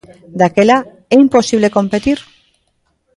Daquela, é imposible competir?